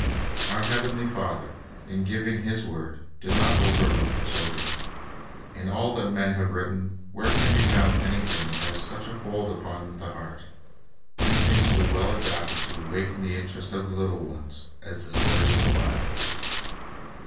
Our heavenly Father, in giving His word, did not overlook the children. In all that men have written, where can be found anything that has such a hold upon the heart, anything so well adapted to awaken the interest of the little ones, as the stories of the Bible?